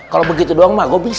kalau begitu doang mah gue bisa